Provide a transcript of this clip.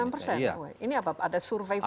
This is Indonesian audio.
sembilan puluh sembilan persen ini apa ada survei khusus